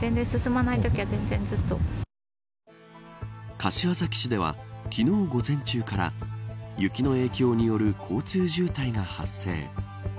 柏崎市では、昨日午前中から雪の影響による交通渋滞が発生。